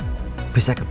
oh ya kan